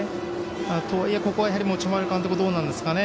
とはいえ、ここは持丸監督どうなんですかね。